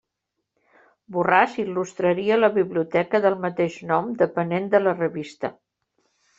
Borràs il·lustraria la Biblioteca del mateix nom depenent de la revista.